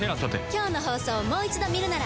今日の放送をもう一度見るなら。